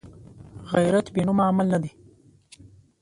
غیرت بېنومه عمل نه دی